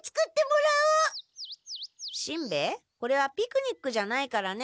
しんべヱこれはピクニックじゃないからね。